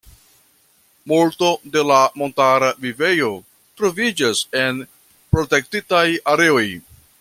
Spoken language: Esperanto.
Multo de la montara vivejo troviĝas en protektitaj areoj.